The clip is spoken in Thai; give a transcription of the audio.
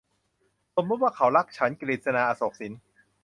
สมมติว่าเขารักฉัน - กฤษณา อโศกสิน